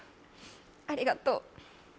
ありがとう。